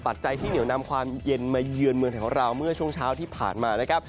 จัยที่เหนียวนำความเย็นมาเยือนเมืองไทยของเราเมื่อช่วงเช้าที่ผ่านมานะครับ